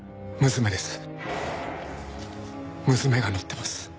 娘が乗ってます。